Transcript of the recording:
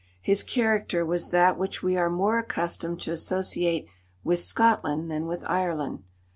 His character was that which we are more accustomed to associate with Scotland than with Ireland.